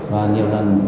và nhiều lần